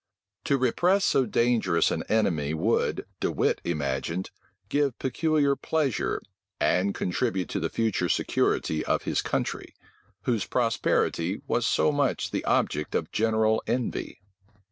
To repress so dangerous an enemy would, De Wit imagined, give peculiar pleasure, and contribute to the future security of his country, whose prosperity was so much the object of general envy.